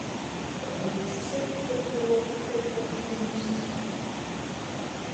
Пагледзіце, хто паказаў прыклад помнікі зносіць?